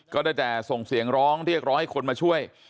ก็ได้แต่ส่งเสียงร้องเรียกร้องให้คนมาช่วย